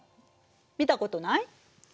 見たことない？